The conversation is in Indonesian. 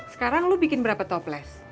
sekarang lo bikin berapa toples